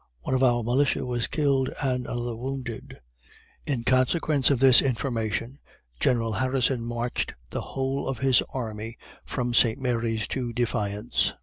One of our militia was killed and another wounded. In consequence of this information, General Harrison marched the whole of his army from St. Mary's to Defiance.